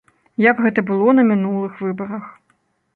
Як гэта было на мінулых выбарах.